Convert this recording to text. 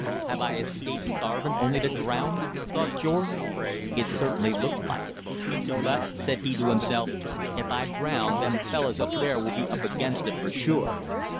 "Have I escaped starvin' only to drown?" thought George. It certainly looked like it. "But," said he to himself, "if I drown them fellus up there will be up against it for sure."